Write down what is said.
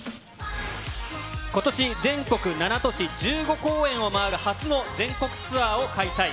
ことし全国７都市１５公演を回る初の全国ツアーを開催。